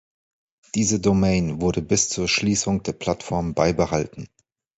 Diese Domain wurde bis zur Schließung der Plattform beibehalten.